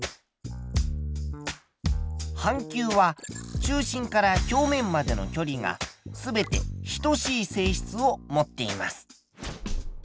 半球は中心から表面までの距離が全て等しい性質を持っています。